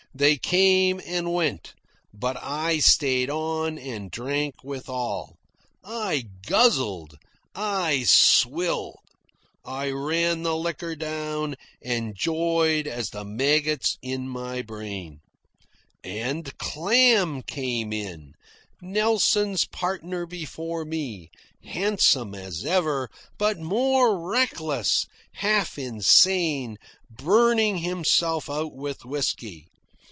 They came and went, but I stayed on and drank with all. I guzzled. I swilled. I ran the liquor down and joyed as the maggots mounted in my brain. And Clam came in, Nelson's partner before me, handsome as ever, but more reckless, half insane, burning himself out with whisky.